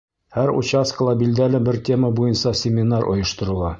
Һәр участкала билдәле бер тема буйынса семинар ойошторола.